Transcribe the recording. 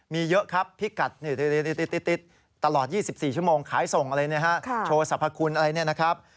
มีเยอะครับพิกัดติ๊ดตลอด๒๔ชั่วโมงขายส่งอะไรนะฮะโชว์สรรพคุณอะไรเนี่ยนะครับ